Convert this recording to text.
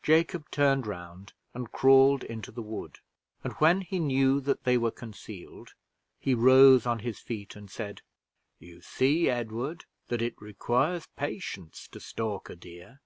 Jacob turned round and crawled into the wood, and when he knew that they were concealed, he rose on his feet and said, "You see, Edward, that it requires patience to stalk a deer.